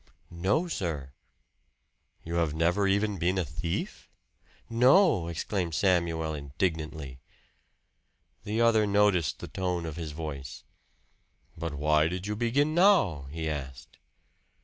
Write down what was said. "No, sir." "You have never even been a thief?" "No!" exclaimed Samuel indignantly. The other noticed the tone of his voice. "But why did you begin now?" he asked.